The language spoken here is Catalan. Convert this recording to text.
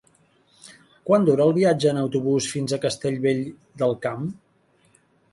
Quant dura el viatge en autobús fins a Castellvell del Camp?